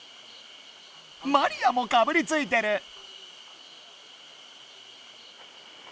マリアもかぶりついてる。